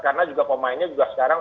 karena juga pemainnya juga sekarang